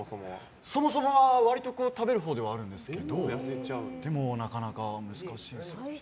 そもそもは割と食べるほうではあるんですけどでもなかなか難しいです。